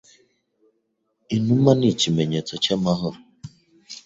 Inuma ni ikimenyetso cyamahoro.